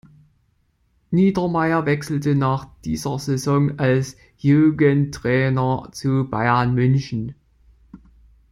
Niedermayer wechselte nach dieser Saison als Jugendtrainer zu Bayern München.